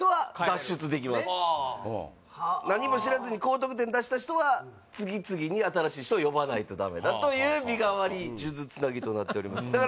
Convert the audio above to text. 帰れるねっ何も知らずに高得点出した人は次々に新しい人を呼ばないとダメだという身代わり数珠つなぎとなっておりますだから